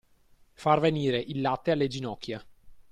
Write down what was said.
Far venire il latte alle ginocchia.